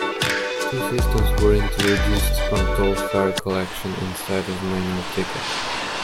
Two systems were introduced on toll fare collection instead of manual ticket.